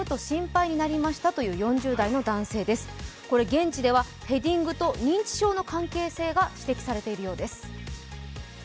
現地ではヘディングと認知症の関係性が指摘されているようです。